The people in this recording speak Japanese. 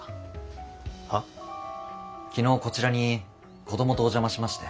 昨日こちらに子供とお邪魔しまして。